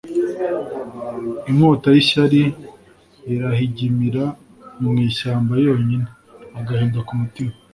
inkota y'ishyari irahigimira mu ishyamba yonyine. -agahinda ku mutima.